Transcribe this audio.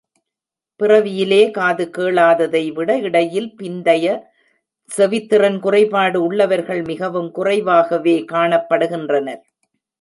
பிறவியிலே காது கேளாததை விட, இடையில் பிந்தைய செவித்திறன் குறைபாடு உள்ளவர்கள் மிகவும் குறைவாகவே காணப்படுகின்றனர்.